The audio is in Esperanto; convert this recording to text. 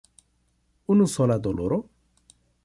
Unusola doloro?